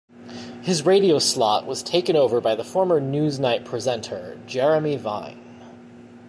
His radio slot was taken over by the former "Newsnight" presenter, Jeremy Vine.